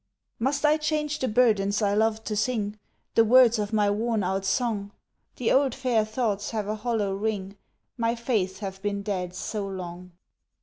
Must I change the burdens I loved to sing, The words of my worn out song? The old fair thoughts have a hollow ring, My faiths have been dead so long.